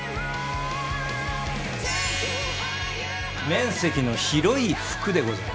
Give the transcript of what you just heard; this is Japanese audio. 面積の広い服でございます。